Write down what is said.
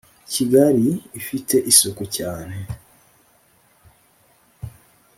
kigari ifite isuku cyane